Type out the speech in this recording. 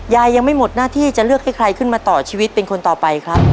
ยังไม่หมดหน้าที่จะเลือกให้ใครขึ้นมาต่อชีวิตเป็นคนต่อไปครับ